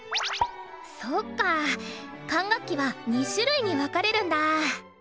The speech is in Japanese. そっか管楽器は２種類に分かれるんだ！